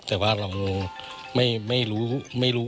แต่ว่าเราไม่รู้